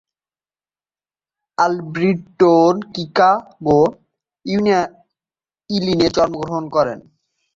Albritton Chicago, ইলিনয়ে জন্মগ্রহণ করেন।